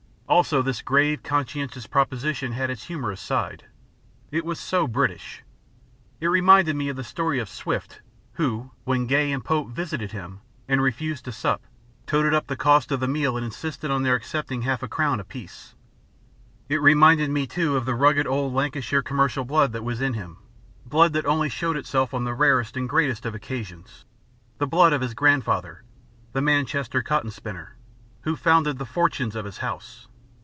Also this grave, conscientious proposition had its humorous side. It was so British. It reminded me of the story of Swift, who, when Gay and Pope visited him and refused to sup, totted up the cost of the meal and insisted on their accepting half a crown apiece. It reminded me too of the rugged old Lancashire commercial blood that was in him blood that only shewed itself on the rarest and greatest of occasions the blood of his grandfather, the Manchester cotton spinner, who founded the fortunes of his house.